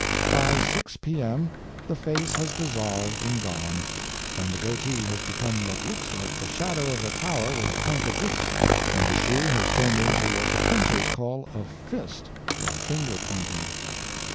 By 6 P.M. the face has dissolved and gone, and the goatee has become what looks like the shadow of a tower with a pointed roof, and the shoe had turned into what the printers call a "fist" with a finger pointing.